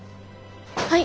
はい。